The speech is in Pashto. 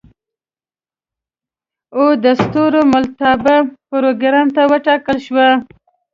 او د ستورملتابه پروګرام ته وټاکل شوه.